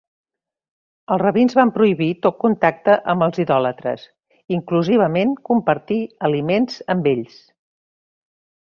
Els rabins van prohibir tot contacte amb els idòlatres, inclusivament compartir aliments amb ells.